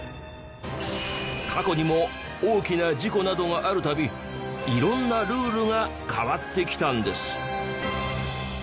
過去にも大きな事故などがあるたびいろんなルールが変わってきたんです。